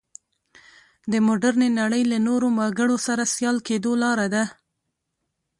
د مډرنې نړۍ له نورو وګړو سره سیال کېدو لاره ده.